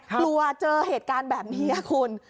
กลัวเจอเหตุการณ์แบบนี้คุณ